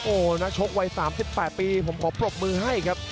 โอ้โหนักชกวัย๓๘ปีผมขอปรบมือให้ครับ